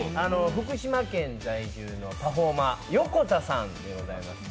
福島県在住のパフォーマー、ＹＯＫＯＴＡさんでございます。